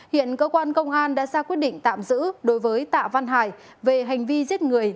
hiện cơ quan công an đã ra quyết định tạm giữ đối với tạ văn hải về hành vi giết người